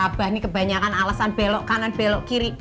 abah ini kebanyakan alasan belok kanan belok kiri